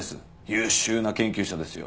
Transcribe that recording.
優秀な研究者ですよ。